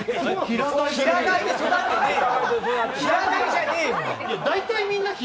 平飼いで育ってねえよ。